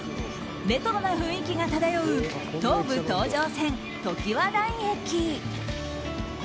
レトロな雰囲気が漂う東武東上線ときわ台駅。